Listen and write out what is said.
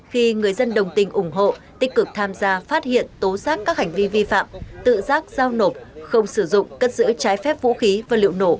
khi người dân đồng tình ủng hộ tích cực tham gia phát hiện tố xác các hành vi vi phạm tự giác giao nộp không sử dụng cất giữ trái phép vũ khí và liệu nổ